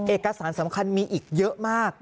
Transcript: เอกสารสำคัญมีอีกเยอะมาก